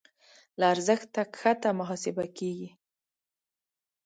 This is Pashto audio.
له ارزښت کښته محاسبه کېږي.